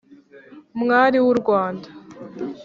mwari w’u rwanda